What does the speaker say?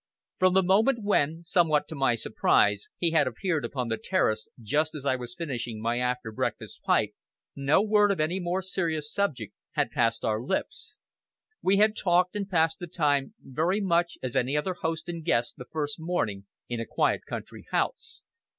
From the moment when, somewhat to my surprise, he had appeared upon the terrace just as I was finishing my after breakfast pipe, no word of any more serious subject had passed our lips. We had talked and passed the time very much as any other host and guest the first morning in a quiet country house.